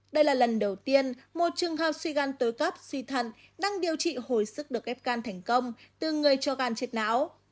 đây là lần đầu tiên một trường hợp suy gan tớp suy thận đang điều trị hồi sức được ghép gan thành công từ người cho gan chết não